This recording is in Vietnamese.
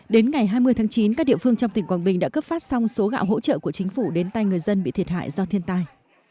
đến ngày hai mươi tháng chín các địa phương trong tỉnh quảng bình đã cấp phát xong số gạo hỗ trợ của chính phủ đến tay người dân bị thiệt hại do thiên tai